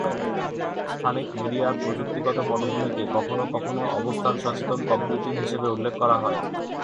স্থানিক মিডিয়ার প্রযুক্তিগত পটভূমিকে কখনও কখনও "অবস্থান-সচেতন কম্পিউটিং" হিসাবে উল্লেখ করা হয়।